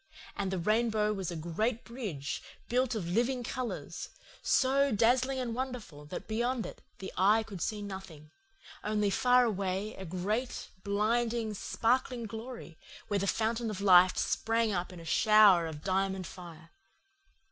And the rainbow was a great bridge, built of living colours, so dazzling and wonderful that beyond it the eye could see nothing, only far away a great, blinding, sparkling glory, where the fountain of life sprang up in a shower of diamond fire.